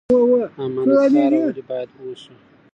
امانت کاره ولې باید اوسو؟